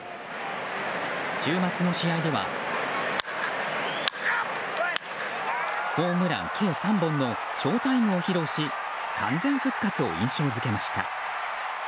週末の試合ではホームラン計３本のショータイムを披露し完全復活を印象付けました。